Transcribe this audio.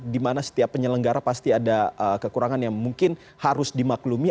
dimana setiap penyelenggara pasti ada kekurangan yang mungkin harus dimaklumi